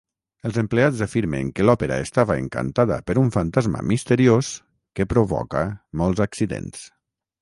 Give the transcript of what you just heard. Els empleats afirmen que l'òpera estava encantada per un fantasma misteriós que provoca molts accidents.